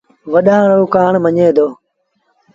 وڏآݩ رو ڪهآڻ مڃي دو